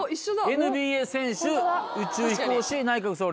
ＮＢＡ選手宇宙飛行士内閣総理大臣。